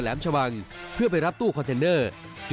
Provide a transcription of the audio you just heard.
ชวังเพื่อไปรับตู้คอนเทนเนอร์